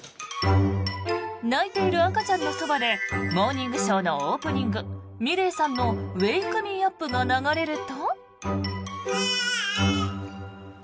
泣いている赤ちゃんのそばで「モーニングショー」のオープニングｍｉｌｅｔさんの「ＷａｋｅＭｅＵｐ」が流れると。